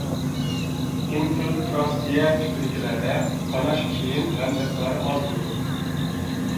ئىنفىلتراتسىيە تىپىدىكىلەردە قاناش كېيىن ھەم مىقدارى ئاز بولىدۇ.